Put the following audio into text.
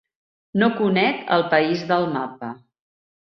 No conec el país del mapa.